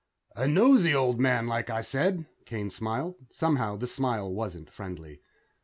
"A nosey old man, like I said," Kane smiled. Somehow, the smile wasn't friendly.